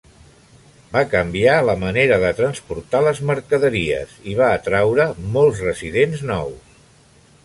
Va canviar la manera de transportar les mercaderies i va atraure molts residents nous.